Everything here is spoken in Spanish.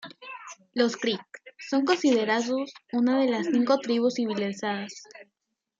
Los creeks son considerados una de las Cinco Tribus Civilizadas.